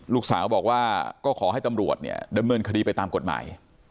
ลูกสาวบอกว่าก็ขอให้ตำรวจเนี่ยดำเนินคดีไปตามกฎหมาย